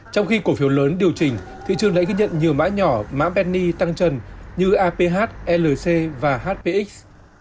trong khi cổ phiếu lớn điều chỉnh thị trường lại ghi nhận nhiều mã nhỏ mã penny tăng trần như aph lc và hpx